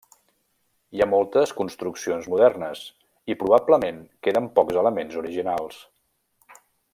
Hi ha moltes construccions modernes, i probablement queden pocs elements originals.